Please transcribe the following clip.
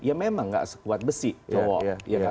ya memang tidak sekuat besi cowok